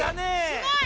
すごい！